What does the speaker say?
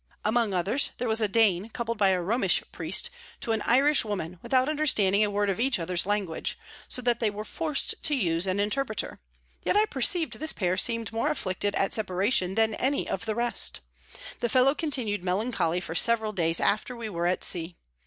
Among others there was a Dane coupled by a Romish Priest to an Irish Woman, without understanding a word of each other's Language, so that they were forc'd to use an Interpreter; yet I perceiv'd this Pair seem'd more afflicted at Separation than any of the rest: The Fellow continu'd melancholy for several days after we were at Sea.